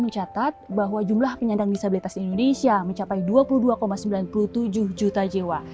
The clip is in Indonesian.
mencatat bahwa jumlah penyandang disabilitas di indonesia mencapai dua puluh dua sembilan puluh tujuh juta jiwa